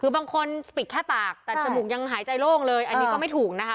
คือบางคนปิดแค่ปากแต่จมูกยังหายใจโล่งเลยอันนี้ก็ไม่ถูกนะคะ